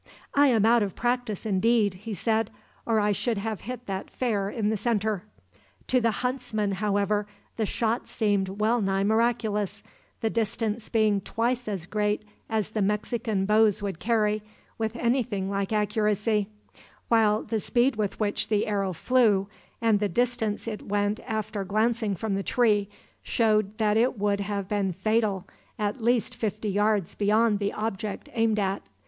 "I am out of practice, indeed," he said, "or I should have hit that fair in the center." To the huntsman, however, the shot seemed well nigh miraculous, the distance being twice as great as the Mexican bows would carry, with anything like accuracy; while the speed with which the arrow flew, and the distance it went after glancing from the tree, showed that it would have been fatal at least fifty yards beyond the object aimed at.